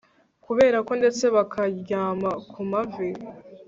Kuberako ndetse bakaryama ku mavi